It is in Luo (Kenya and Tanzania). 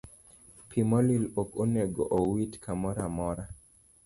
Pi molil ok onego owit kamoro achiel.